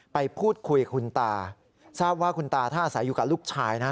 ไปพูดคุยคุณตาทราบว่าคุณตาถ้าอาศัยอยู่กับลูกชายนะ